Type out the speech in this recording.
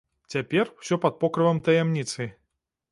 Цяпер усё пад покрывам таямніцы.